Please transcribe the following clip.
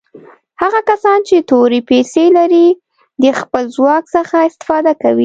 هغه کسان چې تورې پیسي لري د خپل ځواک څخه استفاده کوي.